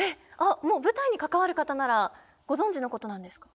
舞台に関わる方ならご存じのことなんですか？